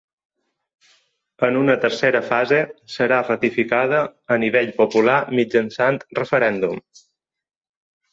En una tercera fase serà ratificada a nivell popular mitjançant referèndum.